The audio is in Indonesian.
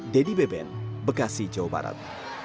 dedy beben bekasi jawa barat